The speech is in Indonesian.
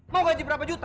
mau gaji berapa juta